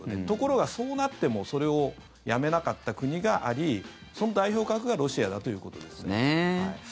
ところが、そうなってもそれをやめなかった国がありその代表格がロシアだということですね。